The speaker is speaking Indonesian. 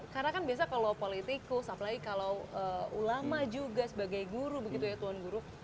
karena kan biasanya kalau politikus apalagi kalau ulama juga sebagai guru begitu ya tuan guru